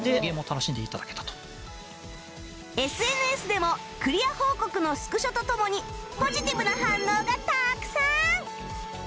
ＳＮＳ でもクリア報告のスクショとともにポジティブな反応がたくさん！